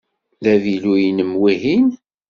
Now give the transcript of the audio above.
D avilu-inem wihin?